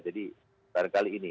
jadi barangkali ini